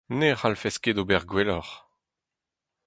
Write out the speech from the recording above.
Ne c’hallfes ket ober gwelloc’h.